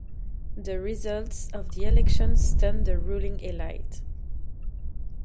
The results of the election stunned the ruling elite.